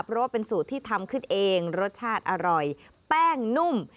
เพราะว่าเป็นสูตรที่ทำขึ้นเองรสชาติอร่อยแป้งนุ่ม